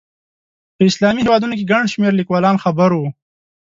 په اسلامي هېوادونو کې ګڼ شمېر لیکوال خبر وو.